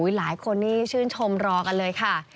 หลายคนนี่ชื่นชมรอกันเลยค่ะ